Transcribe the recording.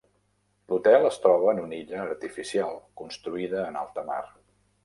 L'hotel es troba en una illa artificial construïda en alta mar.